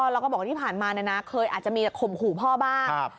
เราก็บอกว่าที่ผ่านมานะนะเคยอาจจะมีข่มขู่พ่อบ้าง